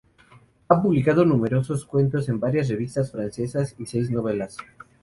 Ha publicado numerosos cuentos en varias revistas francesas, y seis novelas.